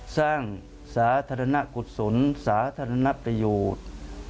สร้างสาธารณะกุศลสาธารณะประโยชน์